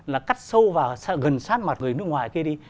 là cắt sâu vào gần sát mặt người nước ngoài kia đi